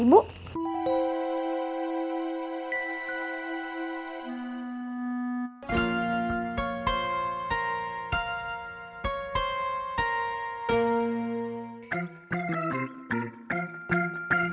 ya sudah ibu